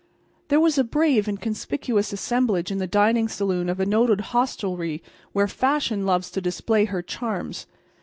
There was a brave and conspicuous assemblage in the dining saloon of a noted hostelry where Fashion loves to display her charms.